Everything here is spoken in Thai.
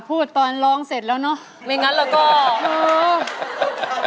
อุดตอนรองเสร็จแล้วเนอะไม่งั้นหรอกก่ออ๋อ